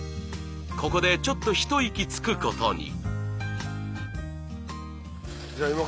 ここでちょっと一息つくことに。